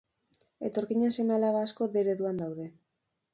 Etorkinen seme-alaba asko D ereduan daude.